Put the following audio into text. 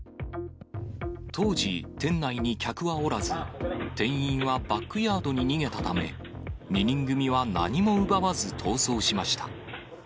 当時、店内に客はおらず、店員はバックヤードに逃げたため、２人組は何も奪わず逃走しました。